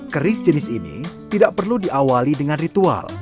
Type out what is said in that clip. keris jenis ini tidak perlu diawali dengan ritual